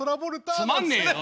つまんねえよ。